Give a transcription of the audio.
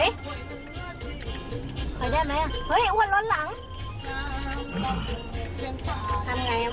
อ้อยได้ไหมอ้วนรถหลัง